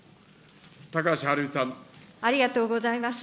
ありがとうございます。